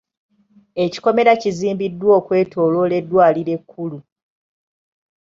Ekikomera kizimbiddwa okwetooloola eddwaliro ekkulu.